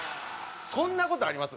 そんな事あります？